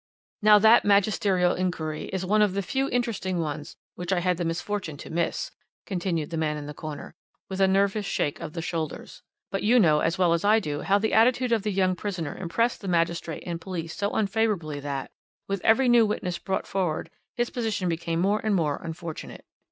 "Now that magisterial inquiry is one of the few interesting ones which I had the misfortune to miss," continued the man in the corner, with a nervous shake of the shoulders. "But you know as well as I do how the attitude of the young prisoner impressed the magistrate and police so unfavourably that, with every new witness brought forward, his position became more and more unfortunate.